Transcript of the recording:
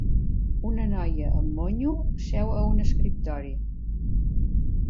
Una noia amb monyo seu a un escriptori.